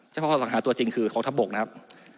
เฉพาะข้อสังหาตัวจริงคือกองทัพบกนะครับ